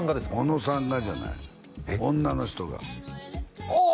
小野さんがじゃない女の人があっ！